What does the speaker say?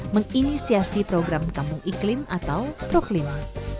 menginisiasi program kampung iklim atau proklim